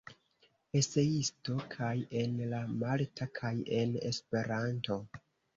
Eseisto kaj en la malta kaj en Esperanto.